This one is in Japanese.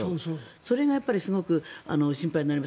それがすごく心配になります。